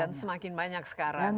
dan semakin banyak sekarang